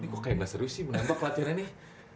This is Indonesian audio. kok kayak enggak serius sih menembak latihannya nih